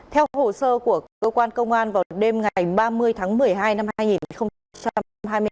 theo hồ sơ của công an vào đêm ngày ba mươi tháng một mươi hai năm hai nghìn hai mươi hai